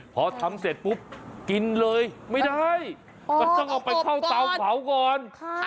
พอทำเสร็จให้ปุ๊บกินเลยต้องไปเข้าเตาเพราสก่อน